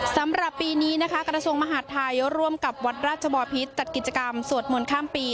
สำหรับปีนี้นะคะกระทรวงมหาดไทยร่วมกับวัดราชบอพิษจัดกิจกรรมสวดมนต์ข้ามปี